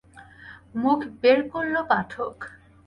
মুখ বের করল পাঠক।